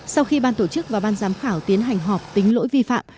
sau khi ban tổ chức và ban giám khảo tiến hành họp tính lỗi vi phạm